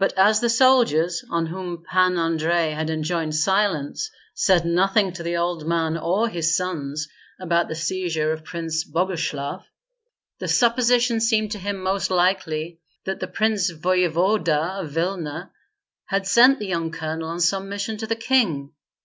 But as the soldiers, on whom Pan Andrei had enjoined silence, said nothing to the old man or his sons about the seizure of Prince Boguslav, the supposition seemed to him most likely that the prince voevoda of Vilna had sent the young colonel on some mission to the king.